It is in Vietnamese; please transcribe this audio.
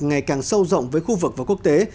ngày càng sâu rộng với khu vực và quốc tế